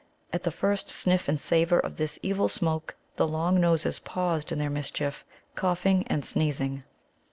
At the first sniff and savour of this evil smoke the Long noses paused in their mischief, coughing and sneezing.